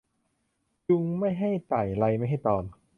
ยุงไม่ให้ไต่ ไรไม่ให้ตอม